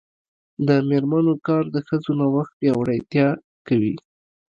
د میرمنو کار د ښځو نوښت پیاوړتیا کوي.